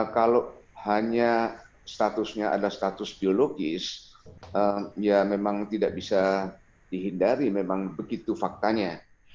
kalau hanya statusnya ada status biologis ya memang tidak bisa dihindari memang begitu faktanya